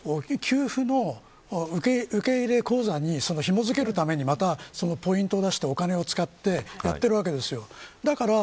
しかも、それを給付の受け入れ口座にひも付けるためにポイントを出してお金を使ってやっているわけですよ。